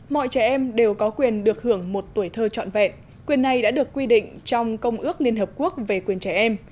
mọi trẻ em đều có quyền được hưởng một tuổi thơ trọn vẹn quyền này đã được quy định trong công ước liên hợp quốc về quyền trẻ em